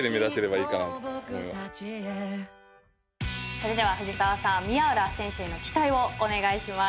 それでは藤澤さん宮浦選手への期待をお願いします。